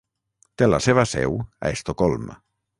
Té la seva seu a Estocolm.